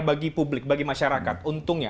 bagi publik bagi masyarakat untungnya